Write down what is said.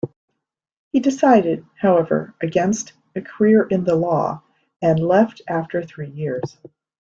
He decided, however, against a career in the law and left after three years.